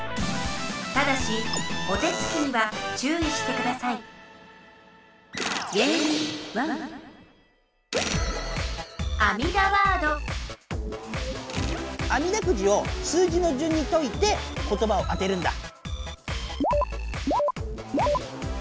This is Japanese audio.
ただしお手つきには注意してくださいあみだくじを数字のじゅんに解いてことばを当てるんだ。